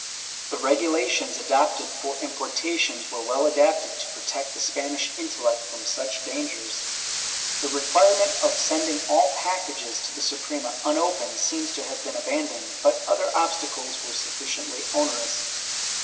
The regulations adopted for importations were well adapted to protect the Spanish intellect from such dangers. The require ment of sending all packages to the Suprema unopened seems to have been abandoned, but other obstacles were sufficiently onerous.